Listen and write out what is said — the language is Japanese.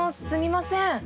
すみません。